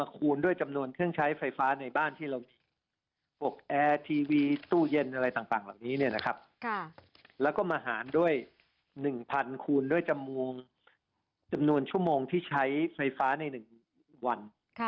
คูณด้วยชั่วโมงจำนวนชั่วโมงที่ใช้ไฟฟ้าในหนึ่งวัน